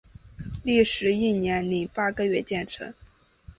历时一年零八个月建成。